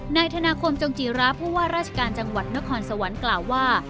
นายธนาคมจงจีราผู้ว่าราชการจังหวัดนครสวรรค์กล่าวว่า